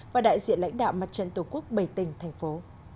và đại diện lãnh đạo mặt trận tổ quốc bảy tỉnh thành phố